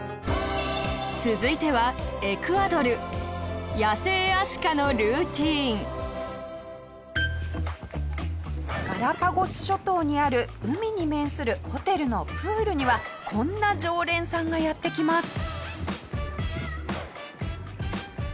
続いては、エクアドル野生アシカのルーティン下平：ガラパゴス諸島にある海に面するホテルのプールにはこんな常連さんがやって来ます。